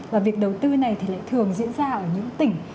và việc đầu tư này thì lại thường diễn ra ở những tỉnh